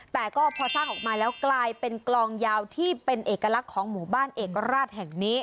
แต่ก็พอสร้างออกมาแล้วกลายเป็นกลองยาวที่เป็นเอกลักษณ์ของหมู่บ้านเอกราชแห่งนี้